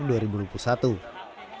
dari badan intelijen negara